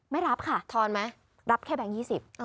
ไม่รับค่ะรับแค่แบงก์๒๐